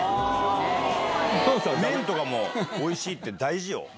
麺とかもおいしいって大事よ。